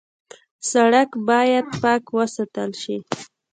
سړک باید پاک وساتل شي.